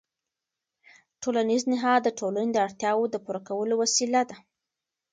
ټولنیز نهاد د ټولنې د اړتیاوو د پوره کولو وسیله ده.